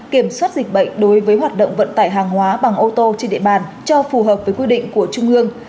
kiểm soát dịch bệnh đối với hoạt động vận tải hàng hóa bằng ô tô trên địa bàn cho phù hợp với quy định của trung ương